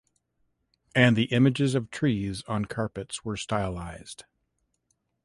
And the images of trees on carpets were stylized.